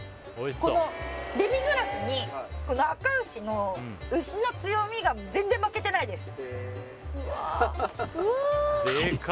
このデミグラスにこのあか牛の牛の強みが全然負けてないです